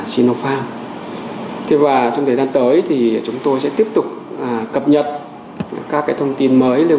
sinovac thế và trong thời gian tới thì chúng tôi sẽ tiếp tục cập nhật các cái thông tin mới liên